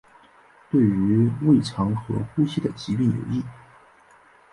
对于胃肠和呼吸的疾病有益。